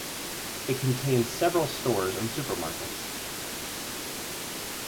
It contains several stores and supermarkets.